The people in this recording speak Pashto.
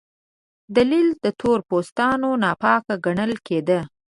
دلیل: تور پوستان ناپاک ګڼل کېدل.